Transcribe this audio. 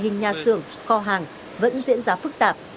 nhà xưởng kho hàng vẫn diễn ra phức tạp